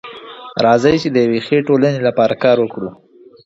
راځئ چي د يوې ښې ټولني لپاره کار وکړو.